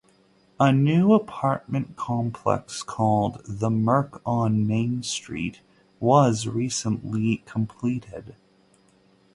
A new apartment complex called the Merc on Main Street was recently completed.